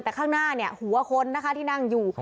แต่ข้างหน้าเนี่ยหัวคนนะคะที่นั่งอยู่